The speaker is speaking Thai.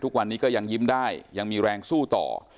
ทุกวันนี้ก็ยังยิ้มได้ยังมีแรงสู้ต่อ